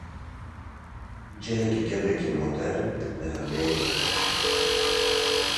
Cihekî gelekî modern li Hewlêrê.